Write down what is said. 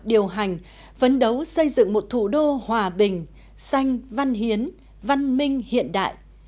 điều hành phấn đấu xây dựng một thủ đô hòa bình xanh văn hiến văn minh hiện đại